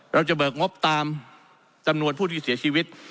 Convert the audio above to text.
เบิกงบตามจำนวนผู้ที่เสียชีวิต